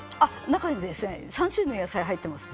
中には３種類の野菜が入っています。